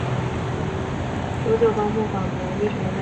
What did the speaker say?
周旧邦木坊的历史年代为明代。